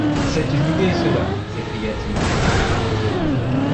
C’est une idée, cela! s’écria-t-il.